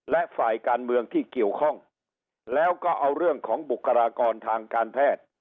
และฝ่ายการเมืองที่เกี่ยวข้องแล้วก็เอาเรื่องของบุคลากรทางการแพทย์